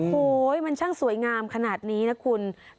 โอ้โหมันช่างสวยงามขนาดนี้นะคุณ